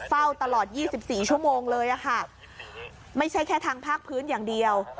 เฝ้าตลอด๒๔ชั่วโมงเลยค่ะไม่ใช่แค่ทางภาคพื้นอย่างเดียว